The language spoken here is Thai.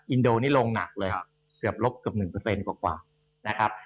อินโดนี่ลงหนักเลยเกือบลบเกือบ๑กว่านะครับ